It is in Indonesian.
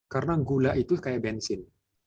karena gula itu kayak bensin